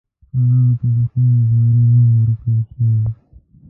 خانان ته د خوني زمري نوم ورکړل شوی.